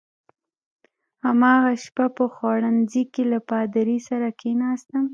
هماغه شپه په خوړنځای کې له پادري سره کېناستم.